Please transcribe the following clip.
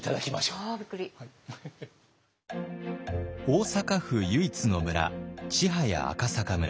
大阪府唯一の村千早赤阪村。